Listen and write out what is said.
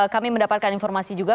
kami mendapatkan informasi juga